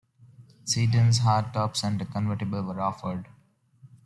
Sedans, hardtops, and a convertible were offered.